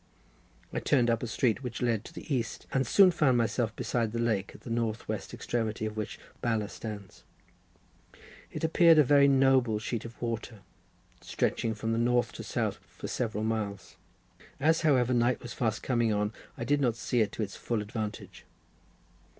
I turned up a street, which led to the east, and soon found myself beside the lake at the north west extremity of which Bala stands. It appeared a very noble sheet of water, stretching from north to south for several miles. As, however, night was fast coming on, I did not see it to its full advantage.